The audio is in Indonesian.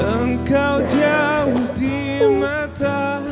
engkau jauh di mata